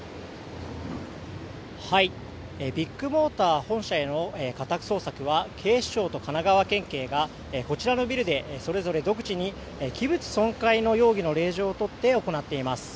ビッグモーター本社への家宅捜索は警視庁と神奈川県警がこちらのビルでそれぞれ独自に器物損壊の容疑の令状を取って行っています。